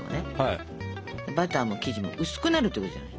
バターも生地も薄くなるということじゃない。